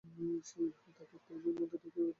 সে তাকে এক পুরুষের চিত্র দেখিয়ে বলে এটা মানসিংহ।